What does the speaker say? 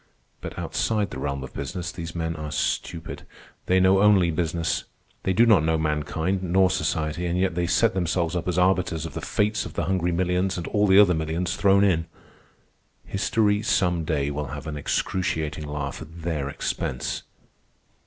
But, outside the realm of business, these men are stupid. They know only business. They do not know mankind nor society, and yet they set themselves up as arbiters of the fates of the hungry millions and all the other millions thrown in. History, some day, will have an excruciating laugh at their expense."